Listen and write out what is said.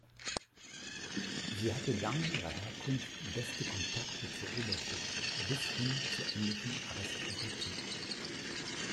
Sie hatte dank ihrer Herkunft beste Kontakte zur Oberschicht, bis hin zur englischen Aristokratie.